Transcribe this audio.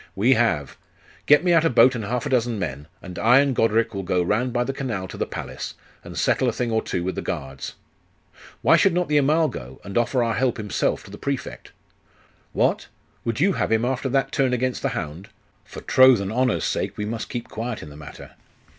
'We have. Get me out a boat and half a dozen men, and I and Goderic will go round by the canal to the palace, and settle a thing or two with the guards.' 'Why should not the Amal go, and offer our help himself to the Prefect?' 'What? Would you have him after that turn against the hound? For troth and honour's sake, he must keep quiet in the matter.